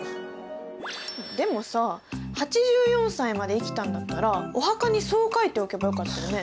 でもさ８４歳まで生きたんだったらお墓にそう書いておけばよかったよね。